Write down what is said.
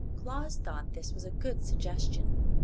Claus thought this was a good suggestion.